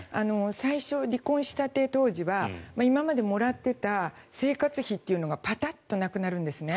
最初、離婚したて当時は今までもらっていた生活費というのがパタッとなくなるんですね。